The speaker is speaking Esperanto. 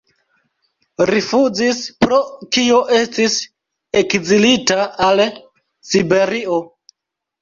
Rifuzis, pro kio estis ekzilita al Siberio.